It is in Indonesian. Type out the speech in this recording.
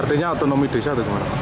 artinya otonomi desa atau gimana